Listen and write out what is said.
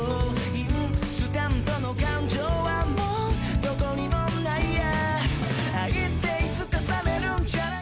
インスタントの感情はもう何処にもないや「愛っていつか冷めるんじゃない？」